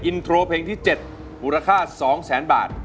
อินโทรเพลงที่๗มูลค่า๒แสนบาท